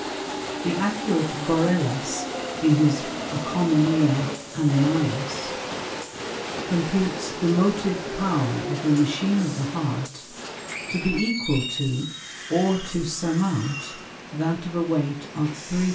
] The Accurate Borellus, in his Oeconomia Animalis, computes the Motive Power of the Machine of the Heart to be equal to, or to surmount that of a Weight of 3000_l.